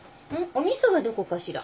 お味噌はどこかしら？